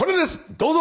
どうぞ！